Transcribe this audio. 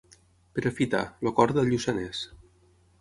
Perafita, el cor del Lluçanès.